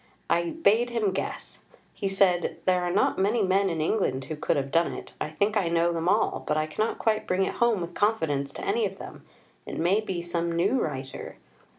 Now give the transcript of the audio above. I bade him guess. He said, 'There are not many men in England who could have done it. I think I know them all, but I cannot quite bring it home with confidence to any of them. It may be some new writer.'